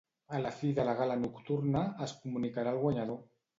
A la fi de la gala nocturna, es comunicarà el guanyador.